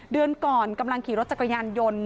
เดือนก่อนกำลังขี่รถจักรยานยนต์